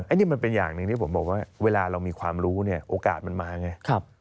อันนี้มันเป็นอย่างหนึ่งที่ผมบอกว่าเวลาเรามีความรู้เนี่ยโอกาสมันมาไง